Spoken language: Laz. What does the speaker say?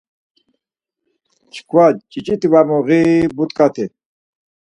Çkva ciciti var moği but̆ǩati.